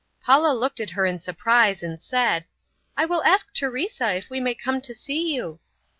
Paula looked at her in surprise, and said, "I will ask Teresa if we may come to see you."